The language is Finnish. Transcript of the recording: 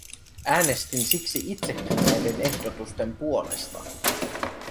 Äänestin siksi itsekin näiden ehdotusten puolesta.